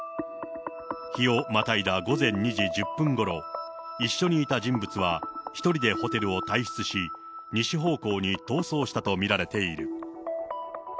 日をまたいだ午前２時１０分ごろ、一緒にいた人物は１人でホテルを退室し、西方向に逃走したと見られている。